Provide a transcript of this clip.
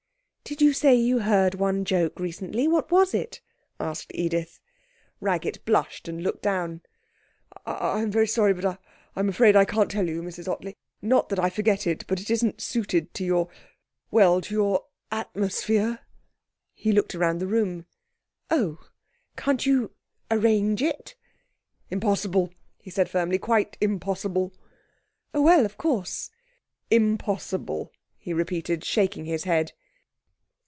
'Did you say you heard one joke recently? What was it?' asked Edith. Raggett blushed and looked down. 'I'm very sorry, but I'm afraid I can't tell you, Mrs Ottley. Not that I forget it, but it isn't suited to your well, to your atmosphere' he looked round the room. 'Oh! Can't you arrange it?' 'Impossible,' he said firmly. 'Quite impossible.' 'Oh well, of course ' 'Impossible,' he repeated, shaking his head.